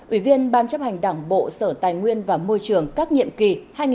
ủy viên ban chấp hành đảng bộ sở tài nguyên và môi trường các nhiệm kỳ